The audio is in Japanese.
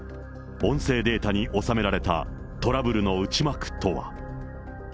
音声データに収められたトラブルの内幕とは。